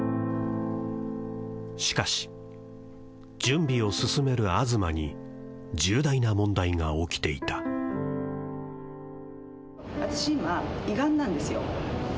しかし準備を進める東に重大な問題が起きていた私今胃がんなんですよ